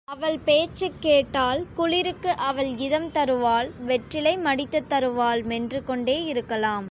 அவள் பேச்சுக் கேட்டால் குளிருக்கு அவள் இதம் தருவாள் வெற்றிலை மடித்துத் தருவாள் மென்று கொண்டே இருக்கலாம்.